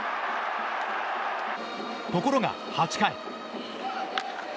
ところが、８回。